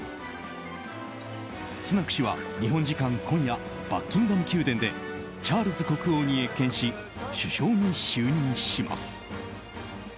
スナク氏は日本時間今夜バッキンガム宮殿でチャールズ国王に謁見し首相に就任します。